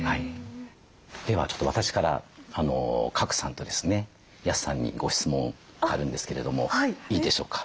ではちょっと私から賀来さんとですね安さんにご質問あるんですけれどもいいでしょうか？